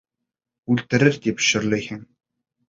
Үлтерер тип шөрләйһең?